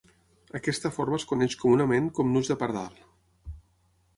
Aquesta forma es coneix comunament com nus de pardal.